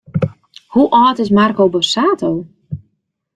Hoe âld is Marco Borsato?